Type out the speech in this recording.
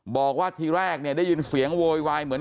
บอกว่าทีแรกเนี่ยได้ยินเสียงโวยวายเหมือน